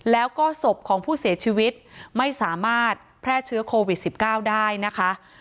แล้วก็ศพของผู้เสียชีวิตไม่สามารถแพร่เชื้อโควิด๑๙ได้นะคะ